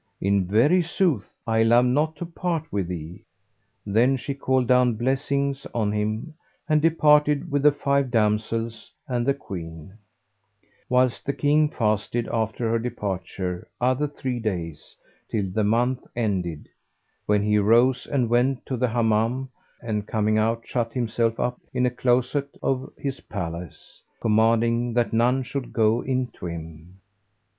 In very sooth I love not to part with thee.' Then she called down blessings on him and departed with the five damsels and the Queen; whilst the King fasted after her departure other three days, till the month ended, when he arose and went to the Hammam and coming out shut himself up in a closet of his palace, commanding that none should go in to him.